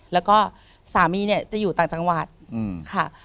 แล้วก็สามีเนี่ยจะอยู่ต่างจังหวัดค่ะ